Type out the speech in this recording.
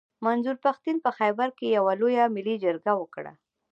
منظور پښتين په خېبر کښي يوه لويه ملي جرګه وکړه.